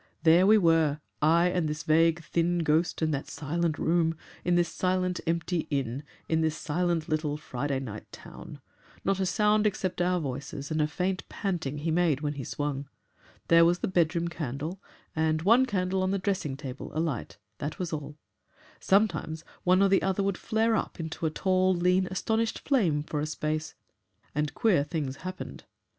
"There we were, I and this thin vague ghost, in that silent room, in this silent, empty inn, in this silent little Friday night town. Not a sound except our voices and a faint panting he made when he swung. There was the bedroom candle, and one candle on the dressing table alight, that was all sometimes one or other would flare up into a tall, lean, astonished flame for a space. And queer things happened.